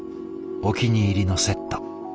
お気に入りのセット。